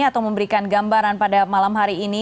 atau memberikan gambaran pada malam hari ini